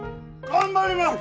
頑張ります！